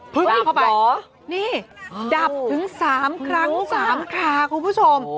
พึ่งอีกเหรอนี่ดับถึง๓ครั้งแล้วค่ะคุณผู้ชม